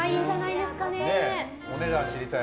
お値段、知りたい。